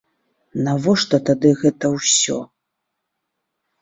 Навошта тады гэта ўсё?